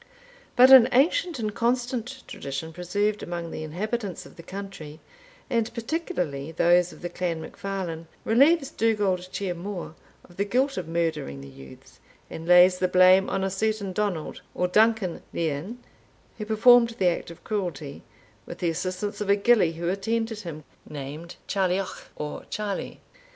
But an ancient and constant tradition, preserved among the inhabitants of the country, and particularly those of the clan MacFarlane, relieves Dugald Ciar Mhor of the guilt of murdering the youths, and lays the blame on a certain Donald or Duncan Lean, who performed the act of cruelty, with the assistance of a gillie who attended him, named Charlioch, or Charlie.